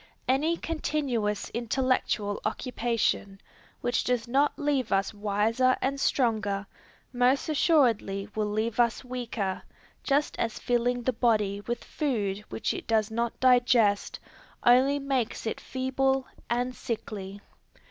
Any continuous intellectual occupation, which does not leave us wiser and stronger, most assuredly will leave us weaker, just as filling the body with food which it does not digest, only makes it feeble and sickly.